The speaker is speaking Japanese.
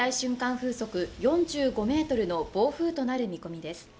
風速４５メートルの暴風となる見込みです。